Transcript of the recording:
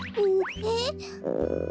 えっ？